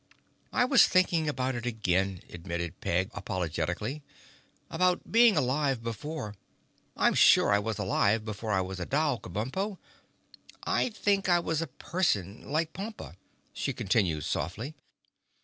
"I was thinking about it again," admitted Peg apologetically. "About being alive before. I'm sure I was alive before I was a doll, Kabumpo. I think I was a person, like Pompa," she continued softly.